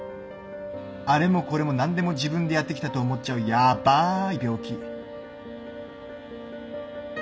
あれもこれも何でも自分でやってきたと思っちゃうヤバーい病気。